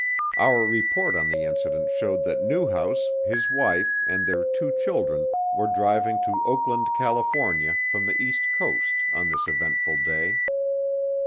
Our report on the incident showed that Newhouse, his wife, and their two children were driving to Oakland, California, from the east coast on this eventful day.